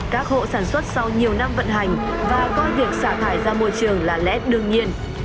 các hộ sản xuất sau nhiều năm vận hành và coi việc xả thải ra môi trường là lẽ đương nhiên